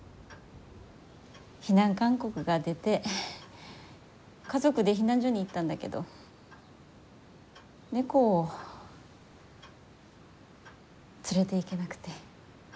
避難勧告が出て家族で避難所に行ったんだけど猫を連れていけなくて。